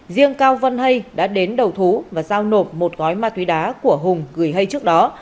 riêng cao văn hay đã đến đầu thú và giao nộp một gói ma túy đá của hùng gửi hay trước đó